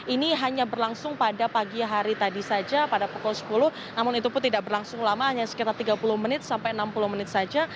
ini hanya berlangsung pada pagi hari tadi saja pada pukul sepuluh namun itu pun tidak berlangsung lama hanya sekitar tiga puluh menit sampai enam puluh menit saja